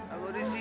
aku di sini